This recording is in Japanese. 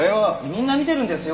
みんな見てるんですよ